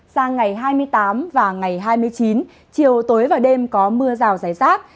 sang ngày hai mươi tám và ngày hai mươi chín chiều tối và đêm có mưa rào rải rác